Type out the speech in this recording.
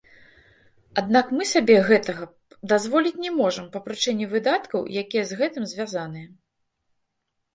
Аднак мы сабе гэтага дазволіць не можам па прычыне выдаткаў, якія з гэтым звязаныя.